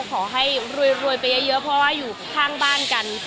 ขอให้รวยไปเยอะเพราะว่าอยู่ข้างบ้านกัน